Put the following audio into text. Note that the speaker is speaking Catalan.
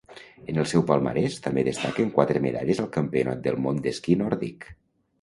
En el seu palmarès també destaquen quatre medalles al Campionat del Món d'esquí nòrdic.